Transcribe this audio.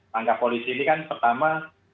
langkah polisi ini kan pertama